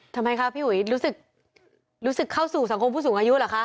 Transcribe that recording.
ทำไมคะพี่อุ๋ยรู้สึกเข้าสู่สังคมผู้สูงอายุเหรอคะ